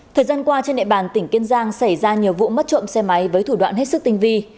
thời gian qua trên địa bàn tỉnh kiên giang xảy ra nhiều vụ mất trộm xe máy với thủ đoạn hết sức tinh vi